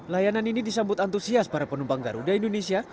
layanan ini disambut antusias para penumpang garuda indonesia